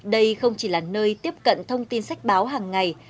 đây không chỉ là nơi tiếp cận thông tin sách báo hàng ngày